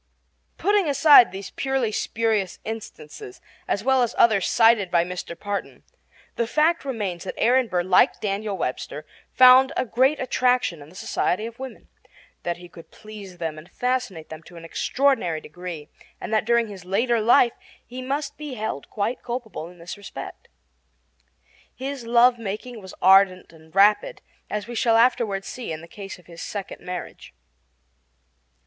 Putting aside these purely spurious instances, as well as others cited by Mr. Parton, the fact remains that Aaron Burr, like Daniel Webster, found a great attraction in the society of women; that he could please them and fascinate them to an extraordinary degree; and that during his later life he must be held quite culpable in this respect. His love making was ardent and rapid, as we shall afterward see in the case of his second marriage.